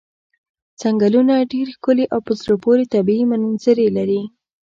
څنګلونه ډېرې ښکلې او په زړه پورې طبیعي منظرې لري.